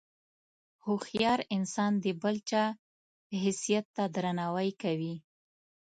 هوښیار انسان د بل چا حیثیت ته درناوی کوي.